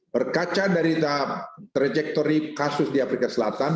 berkaca dari tahap trajektori kasus di afrika selatan